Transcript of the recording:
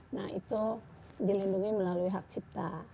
nah itu dilindungi melalui hak cipta